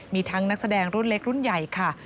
มีทั้งนักแสดงรุ่นเล็กรุ่นใหญ่ค่ะ